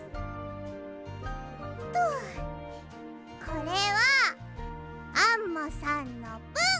これはアンモさんのぶん！